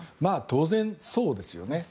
当然そうですよね。